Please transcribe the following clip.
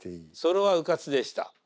それはうかつでした。